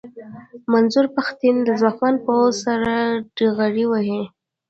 منظور پښتين د ځواکمن پوځ سره ډغرې وهي.